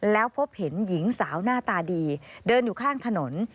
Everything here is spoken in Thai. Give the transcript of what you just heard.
แล้วพบเห็นหญิงสาวหน้าตาดีเดินอยู่ข้างถนน